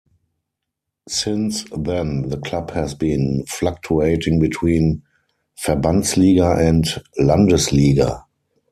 Since then, the club has been fluctuating between Verbandsliga and Landesliga.